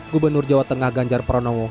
gubernur jawa tengah ganjar pranowo